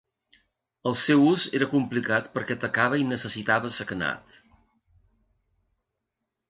El seu ús era complicat perquè tacava i necessitava sagnat.